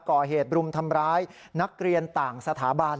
ก่อเหตุรุมทำร้ายนักเรียนต่างสถาบัน